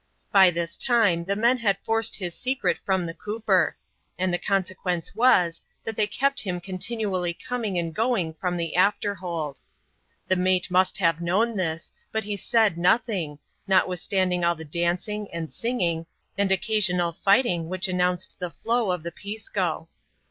By this time the men had forced his secret from the cooper ; and the consequence was, that they kept him continually coming and going from the after hold. The mate must have known this ; but he said nothing, notwithstanding all the dancing, and singing, and occasional fighting which announced the flow of the Pisco.